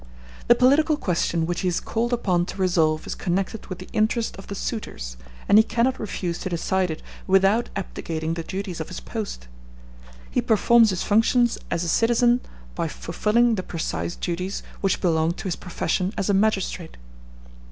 The political question which he is called upon to resolve is connected with the interest of the suitors, and he cannot refuse to decide it without abdicating the duties of his post. He performs his functions as a citizen by fulfilling the precise duties which belong to his profession as a magistrate.